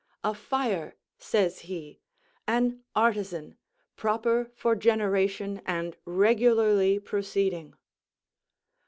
"A fire," says he, "an artisan, proper for generation, and regularly proceeding."